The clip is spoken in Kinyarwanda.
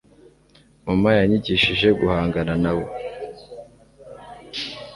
mama yanyigishije guhangana nabo